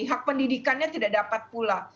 hak pendidikannya tidak dapat pula